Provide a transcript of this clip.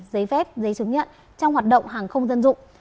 giấy phép giấy chứng nhận trong hoạt động hàng không dân dụng